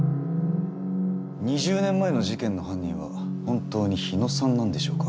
２０年前の事件の犯人は本当に日野さんなんでしょうか。